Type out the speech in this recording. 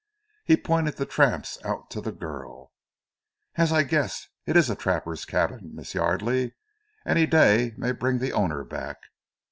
He pointed the traps out to the girl. "As I guessed, it is a trapper's cabin, Miss Yardely. Any day may bring the owner back."